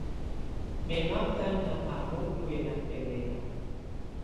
Mɛ nɔ ákaná á mɔtɔ̀ána bɛlɛŋa.